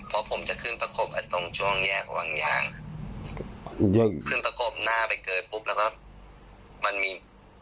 เพราะผมจะขึ้นประกบตรงช่วงแยกวังยางขึ้นประกบหน้าไปเกยปุ๊บแล้วก็มันมี